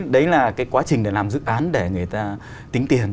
đấy là cái quá trình để làm dự án để người ta tính tiền